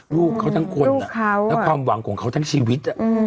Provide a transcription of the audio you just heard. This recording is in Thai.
ลูกเขาทั้งคนและความหวังของเขาทั้งชีวิต